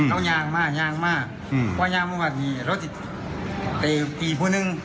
ทุกร่วมคือพวกนี้มากกว่านี้แล้วถึงว่าขาพวกนี้บ่น